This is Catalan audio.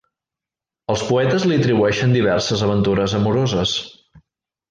Els poetes li atribueixen diverses aventures amoroses.